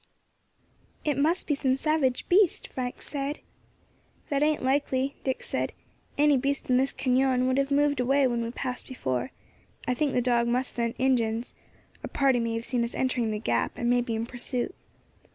"It must be some savage beast," Frank said. "That ain't likely," Dick said; "any beast in this cañon would have moved away when we passed before. I think the dog must scent Injins. A party may have seen us entering the gap, and may be in pursuit."